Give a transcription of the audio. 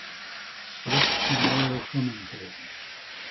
Rich Memorial Swimming Pool.